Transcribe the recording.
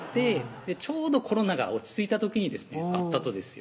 ちょうどコロナが落ち着いた時に会ったとですよ